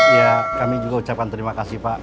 ya kami juga ucapkan terima kasih pak